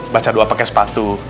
baca doa pakai sepatu